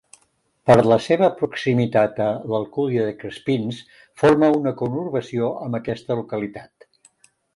Per la seva proximitat a l'Alcúdia de Crespins forma una conurbació amb aquesta localitat.